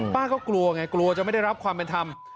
ป้าก็กลัวไงกลัวจะไม่ได้รับความเป็นธรรม